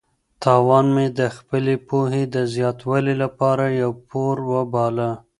تاوان مې د خپلې پوهې د زیاتوالي لپاره یو پور وباله.